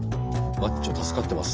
マッチョ助かってます。